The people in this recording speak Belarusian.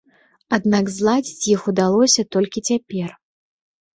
Аднак зладзіць іх удалося толькі цяпер.